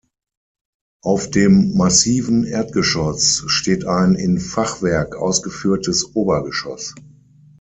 Auf dem massiven Erdgeschoss steht ein in Fachwerk ausgeführtes Obergeschoss.